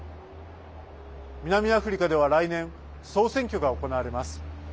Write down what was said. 南アフリカでは来年、総選挙が行われます。